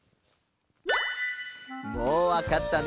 もうわかったね？